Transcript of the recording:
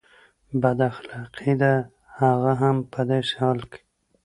بد اخلاقي ده هغه هم په داسې حال کې.